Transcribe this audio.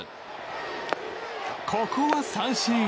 ここは三振。